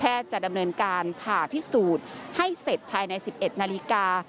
จะดำเนินการผ่าพิสูจน์ให้เสร็จภายใน๑๑นาฬิกา